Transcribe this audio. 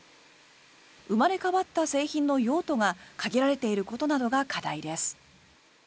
生まれ変わった製品の用途が限られていることなどが課題です。